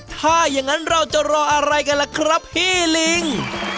ถ้าอย่างนั้นเราจะรออะไรกันล่ะครับพี่ลิง